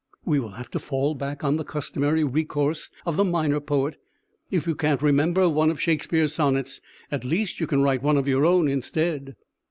We will have to fall back on the customary recourse of the minor poet if you can't remember one of Shakespeare's sonnets, at least you can write one of your own instead.